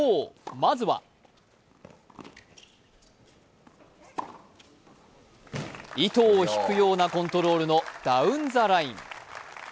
まずは糸を引くようなコントロールのダウンザライン。